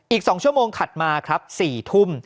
อีก๒ชั่วโมงถัดมาครับ๔ทุ่ม